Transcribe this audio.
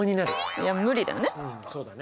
いや無理だよね。